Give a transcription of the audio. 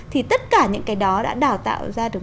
thì tất cả những cái đó đã đào tạo ra được